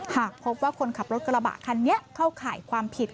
หากพบว่าคนขับรถกระบะคันนี้เข้าข่ายความผิด